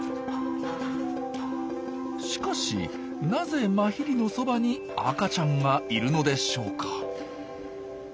しかしなぜマヒリのそばに赤ちゃんがいるのでしょうか？